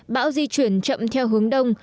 bão di chuyển chậm theo hướng đông